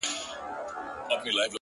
په خوب ويده; يو داسې بله هم سته;